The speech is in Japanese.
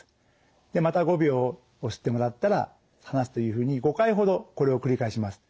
でまた５秒押してもらったら離すというふうに５回ほどこれを繰り返します。